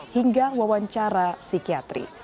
hingga wawancara psikiatri